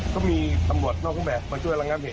ก็มีตำรวจนอกรูปแบบมาช่วยระงับเหตุ